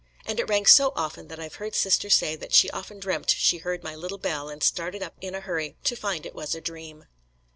And it rang so often that I've heard Sister say that she often dreamt she heard my little bell and started up in a hurry to find it was a dream."